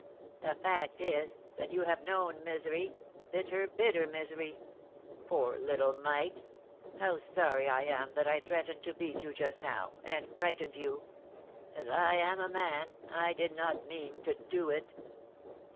The fact is, that you have known misery, bitter, bitter misery. Poor little mite! how sorry I am that I threatened to beat you just now, and frightened you. As I am a man, I did not mean to do it."